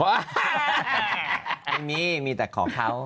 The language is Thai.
มันมีมีแต่ขอเขา